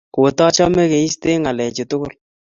Kotochome keiste ngalechu tugul